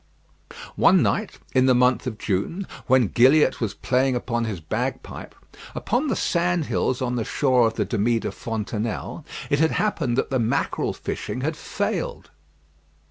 One night, in the month of June, when Gilliatt was playing upon his bagpipe, upon the sand hills on the shore of the Demie de Fontenelle, it had happened that the mackerel fishing had failed.